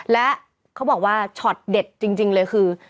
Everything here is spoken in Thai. และเขาบอกว่าช็อตเด็ดจริงเลยคือ